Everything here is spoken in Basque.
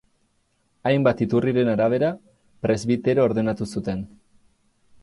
Hainbat iturriren arabera, presbitero ordenatu zuten.